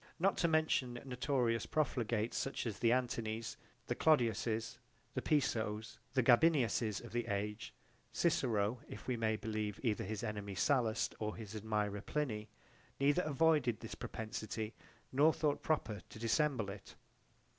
Not to mention notorious profligates such as the Antonies, the Clodius's, the Pisos, the Gabinius's of the age, Cicero, if we may believe either his enemy Sallust or his admirer Pliny neither avoided this propensity nor thought proper to dissemble it.